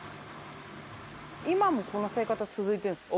今もこの生活は続いてる？